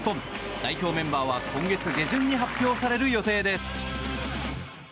代表メンバーは今月下旬に発表される予定です。